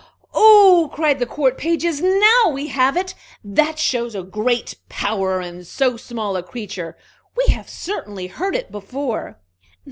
"Oh!" cried the court pages, "now we have it! That shows a great power in so small a creature! We have certainly heard it before."